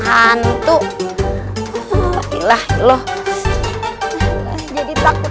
jalan atau lari itu dipakai mata kepala pundak lutut